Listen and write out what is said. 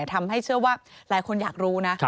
ทำให้เชื่อว่าหลายคนอยากรู้นะ